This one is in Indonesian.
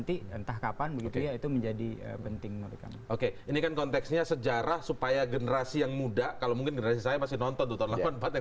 itu tadi sebenarnya saya tanyakan di awal